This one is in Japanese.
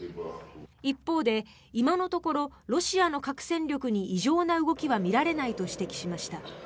一方で今のところロシアの核戦力に異常な動きは見られないと指摘しました。